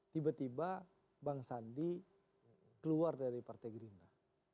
tiba tiba bang sandi keluar dari partai gerindra